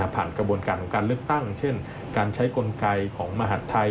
กระบวนการของการเลือกตั้งเช่นการใช้กลไกของมหาดไทย